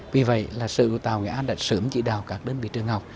vì vậy là sự tàu nghệ an đã sớm chỉ đào các đơn vị trường học